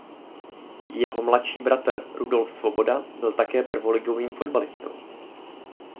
Jeho mladší bratr Rudolf Svoboda byl také prvoligovým fotbalistou.